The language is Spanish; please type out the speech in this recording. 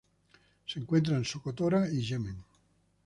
Se encuentra en Socotora y Yemen.